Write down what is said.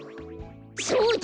そうだ！